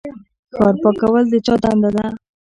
ښار پاکول د چا دنده ده؟